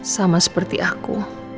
sama seperti aku